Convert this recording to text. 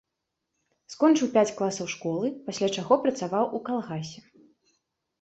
Скончыў пяць класаў школы, пасля чаго працаваў у калгасе.